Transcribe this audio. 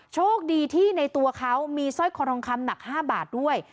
โชคดีที่ในตัวเขามีสร้อยคอทองคำหนัก๕บาทด้วย